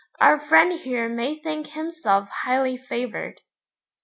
Our friend here may think himself highly favoured.'